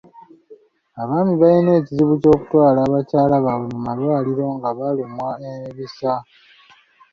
Abaami balina ekizibu ky'okutwala bakyala baabwe mu malwaliro nga balumwa ebisa.